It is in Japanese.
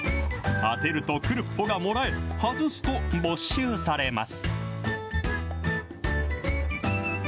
当てるとクルッポがもらえ、外すと没収されます。